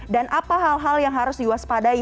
apa hal hal yang harus diwaspadai